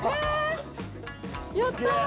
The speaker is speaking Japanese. やった！